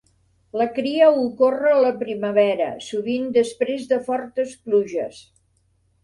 La cria ocorre a la primavera, sovint després de fortes pluges.